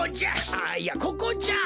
あいやここじゃん。